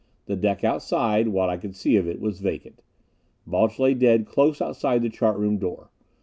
The deck outside, what I could see of it, was vacant. Balch lay dead close outside the chart room door.